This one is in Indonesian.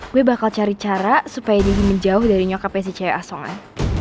gue bakal cari cara supaya diri menjauh dari nyokapnya si cewek asongan